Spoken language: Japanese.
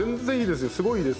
すごいです。